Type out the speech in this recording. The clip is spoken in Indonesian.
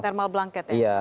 thermal blanket ya namanya